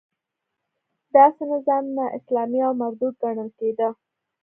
داسې نظام نا اسلامي او مردود ګڼل کېده.